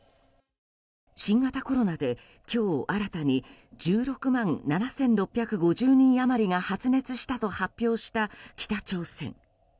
新型コロナで今日新たに１６万７６５０人余りが発熱したと発表した北朝鮮。